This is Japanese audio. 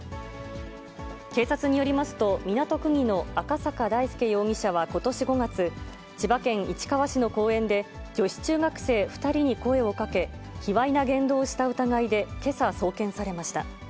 警察によりますと、港区議の赤坂大輔容疑者はことし５月、千葉県市川市の公園で、女子中学生２人に声をかけ、卑わいな言動をした疑いでけさ、送検されました。